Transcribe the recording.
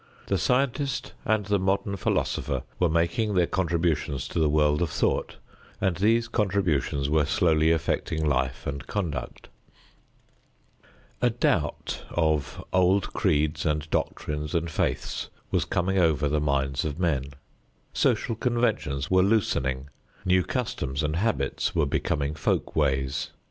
The scientist and the modern philosopher were making their contributions to the world of thought, and these contributions were slowly affecting life and conduct. A doubt of old creeds and doctrines and faiths was coming over the minds of men. Social conventions were loosening, new customs and habits were becoming folk ways.